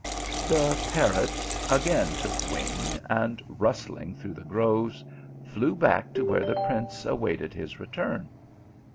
The parrot again took wing, and, rustling through the groves, flew back to where the prince awaited his return.